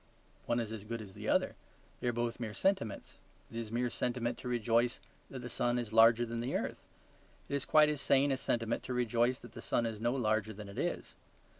One is as good as the other; they are both mere sentiments. It is mere sentiment to rejoice that the sun is larger than the earth; it is quite as sane a sentiment to rejoice that the sun is no larger than it is.